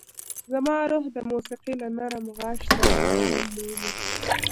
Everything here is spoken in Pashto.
زما روح د موسیقۍ له نرم غږ سره ارام مومي.